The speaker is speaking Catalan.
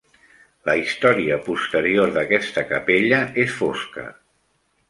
La història posterior d'aquesta capella és fosca.